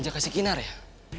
jaga si kinar yah